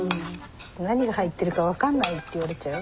何が入ってるか分かんないって言われちゃう？